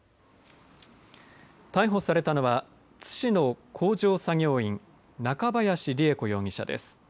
逮捕されたのは津市の工場作業員中林りゑ子容疑者です。